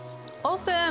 オープン。